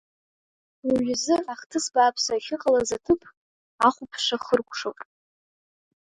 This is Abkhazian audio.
Уажәазы, ахҭыс бааԥсы ахьыҟалаз аҭыԥ ахәаԥшра хыркәшоуп.